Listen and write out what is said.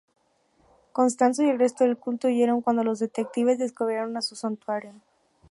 Constanzo y el resto del culto huyeron cuando los detectives descubrieron su "santuario".